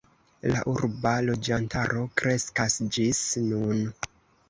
La urba loĝantaro kreskas ĝis nun.